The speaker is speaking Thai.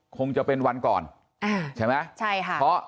คงจะเป็นวันก่อนใช่ไหมใช่ค่ะ